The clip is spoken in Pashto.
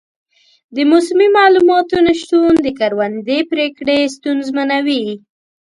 د موسمي معلوماتو نه شتون د کروندې پریکړې ستونزمنوي.